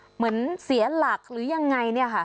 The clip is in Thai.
เหมือนเสียหลักหรือยังไงเนี่ยค่ะ